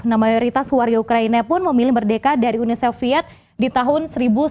nah mayoritas warga ukraina pun memilih merdeka dari uni soviet di tahun seribu sembilan ratus sembilan puluh